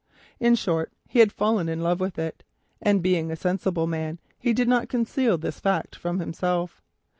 In short he had fallen in love with it, and being a sensible man he did not conceal this fact from himself.